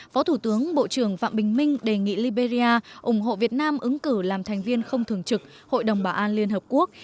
phó thủ tướng bộ trưởng phạm bình minh đề nghị liberia ủng hộ việt nam ứng cử làm thành viên không thường trực hội đồng bảo an liên hợp quốc